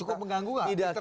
cukup mengganggu gak